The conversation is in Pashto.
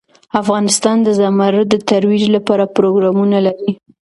افغانستان د زمرد د ترویج لپاره پروګرامونه لري.